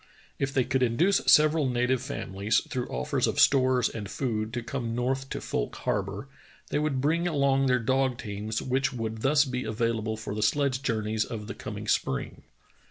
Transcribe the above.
If they could induce several native famihes, through offers of stores and food, to come north to Fouike Harbor, they would bring along their dog teams which would thus be available for the sledge journeys of the coming spring.